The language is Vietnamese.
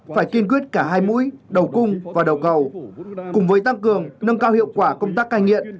phải kiên quyết cả hai mũi đầu cung và đầu cầu cùng với tăng cường nâng cao hiệu quả công tác cai nghiện